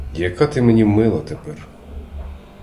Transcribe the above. Яка ти мені мила тепер!